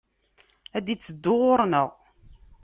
Ad d-itteddu ɣur-nneɣ!